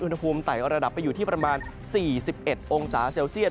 อุณหภูมิไต่ระดับไปอยู่ที่ประมาณ๔๑องศาเซลเซียต